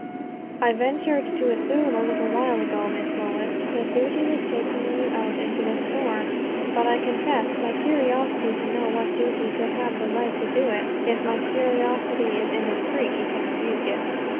"I ventured to assume, a little while ago, Miss Lois, that duty was taking you out into this storm; but I confess my curiosity to know what duty could have the right to do it. If my curiosity is indiscreet, you can rebuke it."